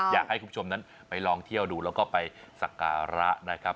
อยากให้คุณผู้ชมนั้นไปลองเที่ยวดูแล้วก็ไปสักการะนะครับ